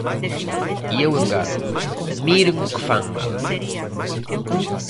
E eu engado, ¡miren que o fan mal!